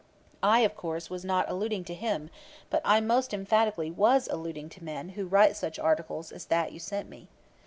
I, of course, was not alluding to him; but I most emphatically was alluding to men who write such articles as that you sent me.